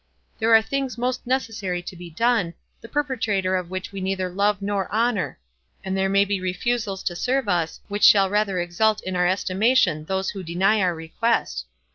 There are things most necessary to be done, the perpetrator of which we neither love nor honour; and there may be refusals to serve us, which shall rather exalt in our estimation those who deny our request.